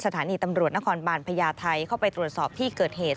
สถานีตำรวจนครบาลพญาไทยเข้าไปตรวจสอบที่เกิดเหตุ